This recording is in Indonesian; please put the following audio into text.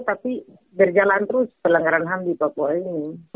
tapi berjalan terus pelanggaran ham di papua ini